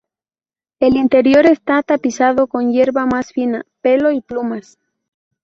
El interior está tapizado con hierba más fina, pelo y plumas.